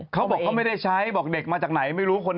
เขาบอกเขาไม่ได้ใช้บอกเด็กมาจากไหนไม่รู้คน